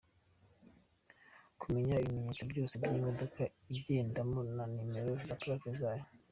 Kumenya ibimenyetso byose by’imodoka agendamo na numero za plaques zayo,